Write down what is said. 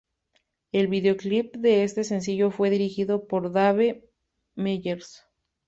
El videoclip de este sencillo fue dirigido por Dave Meyers.